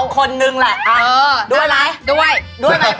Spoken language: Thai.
คนหนึ่งแหละด้วยมั้ยด้วยด้วยมั้ยพ่อ